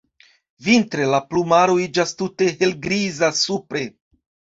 Vintre la plumaro iĝas tute helgriza supre.